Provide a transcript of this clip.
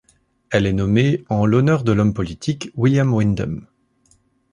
Elle est nommée en l'honneur de l'homme politique William Windom.